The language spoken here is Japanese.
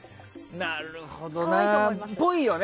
なるほどな。っぽいよね。